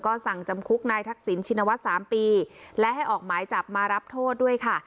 ก็สั่งจำคุกนายทักษิณชินวัฒน์๓ปีและให้ออกหมายจับมารับโทษด้วยค่ะ